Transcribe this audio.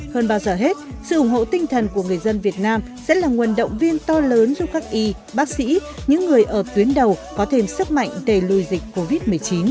hơn bao giờ hết sự ủng hộ tinh thần của người dân việt nam sẽ là nguồn động viên to lớn giúp các y bác sĩ những người ở tuyến đầu có thêm sức mạnh để lùi dịch covid một mươi chín